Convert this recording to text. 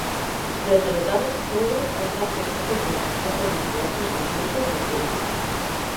Des d'aleshores, Koehler es va fer molt popular i ha guanyat diversos concursos d'estil lliure.